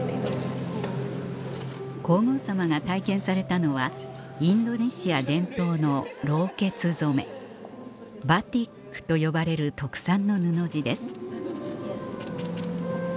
皇后さまが体験されたのはインドネシア伝統の「バティック」と呼ばれる特産の布地です